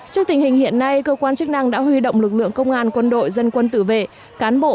trước tình hình hiện nay cơ quan chức năng đã huy động lực lượng công an quân đội dân quân tử vệ cán bộ